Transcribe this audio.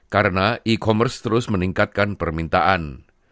karena e commerce terus meningkatkan permintaan